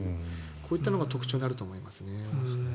こういったことが特徴になると思います。